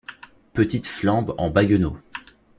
Petite flambe en baguenaud.